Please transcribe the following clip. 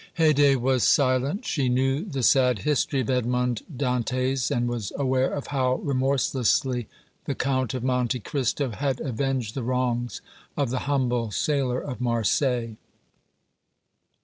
Haydée was silent. She knew the sad history of Edmond Dantès, and was aware of how remorselessly the Count of Monte Cristo had avenged the wrongs of the humble sailor of Marseilles.